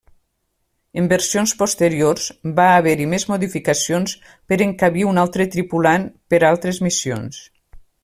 En versions posteriors va haver-hi més modificacions per encabir un altre tripulant per altres missions.